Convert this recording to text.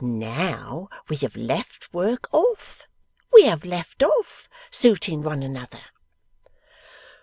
Now we have left work off; we have left off suiting one another.